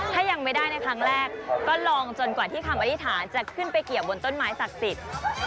ถ้ายังไม่ได้ในครั้งแรกก็ลองจนกว่าที่คำอธิษฐานจะขึ้นไปเกี่ยวบนต้นไม้ศักดิ์สิทธิ์